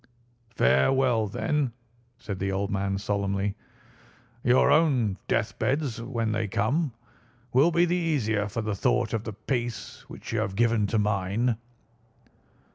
"Farewell, then," said the old man solemnly. "Your own deathbeds, when they come, will be the easier for the thought of the peace which you have given to mine."